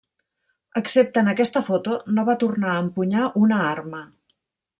Excepte en aquesta foto, no va tornar a empunyar una arma.